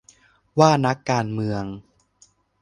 ว่านักการเมือง